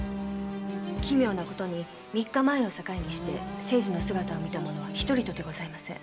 奇妙なことに三日前を境にして清次の姿を見た者は一人とてございません。